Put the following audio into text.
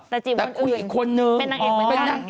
แต่จีบคนอื่นเป็นนางเอกเป็นนางเอก